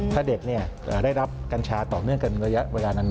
ถ้าเด็กได้รับกัญชาต่อเนื่องกันระยะเวลานาน